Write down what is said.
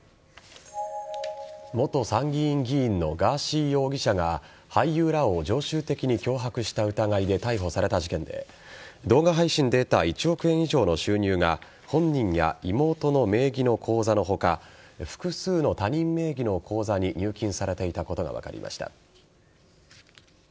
元参議院議員のガーシー容疑者が俳優らを常習的に脅迫した疑いで逮捕された事件で動画配信で得た１億円以上の収入が本人や妹の名義の口座の他複数の他人名義の口座に入金されていたことが分かりました。